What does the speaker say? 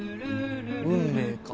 運命か。